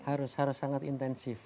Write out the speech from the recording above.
harus harus sangat intensif